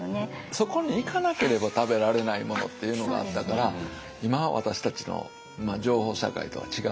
そこに行かなければ食べられないものっていうのがあったから今私たちの情報社会とは違うと思いますよね。